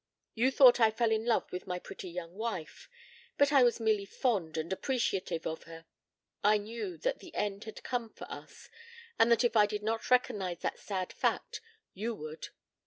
You thought I fell in love with my pretty young wife, but I was merely fond and appreciative of her. I knew that the end had come for us, and that if I did not recognize that sad fact, you would.